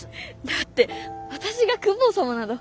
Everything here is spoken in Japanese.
だって私が公方様など。